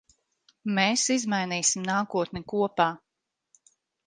Mēs izmainīsim nākotni kopā.